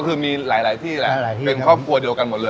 ก็คือมีหลายหลายที่แหละหลายหลายที่ครับเป็นครอบครัวเดียวกันหมดเลย